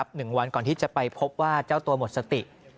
หนึ่งวันก่อนที่จะไปพบว่าเจ้าตัวหมดสติ